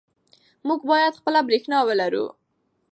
موږ باید خپله برښنا ولرو.